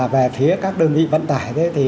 về phía các đơn vị vận tải